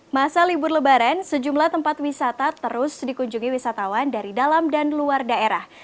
masa libur lebaran sejumlah tempat wisata terus dikunjungi wisatawan dari dalam dan luar daerah